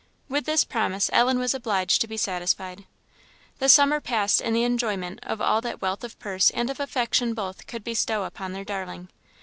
With this promise Ellen was obliged to be satisfied. The summer passed in the enjoyment of all that wealth of purse and of affection both could bestow upon their darling.